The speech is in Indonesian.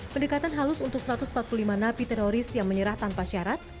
pendekatan halus untuk satu ratus empat puluh lima napi teroris yang berlangsung selama tiga puluh enam jam